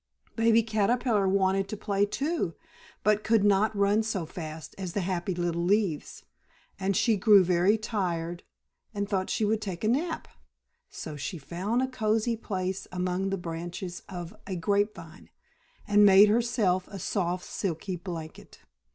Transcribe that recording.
Baby Caterpillar wanted to play, too, but could not run so fast as the happy little leaves, and she grew very tired and thought she would take a nap. So she found a cozy place among the branches of a grape vine, and made herself a soft, silky blanket.